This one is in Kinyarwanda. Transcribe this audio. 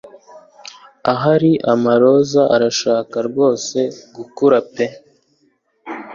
Ahari amaroza arashaka rwose gukura pe